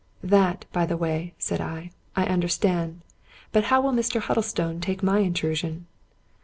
" That, by the way," said I. " I understand. But how will Mr. Huddlestone take. my intrusion?"